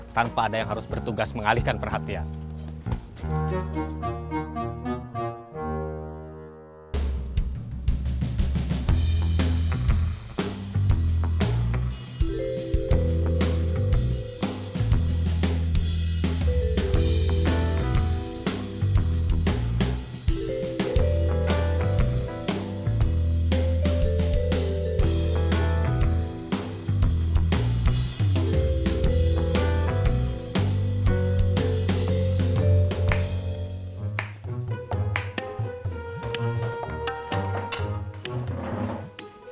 tanpa ada yang harus bertugas mengalihkan perhatian